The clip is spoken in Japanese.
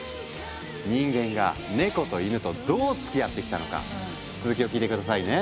人間がネコとイヌとどうつきあってきたのか続きを聞いて下さいね。